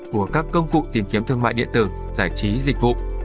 của các công cụ tìm kiếm thương mại điện tử giải trí dịch vụ